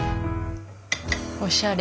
おしゃれ。